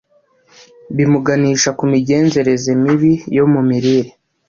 bimuganisha ku migenzereze mibi yo mu mirire